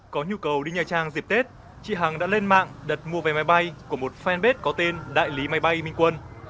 có nhu cầu đi nhà trang dịp tết chị hằng đã lên mạng đặt mua vé máy bay của một fanpage có tên đại lý máy bay minh quân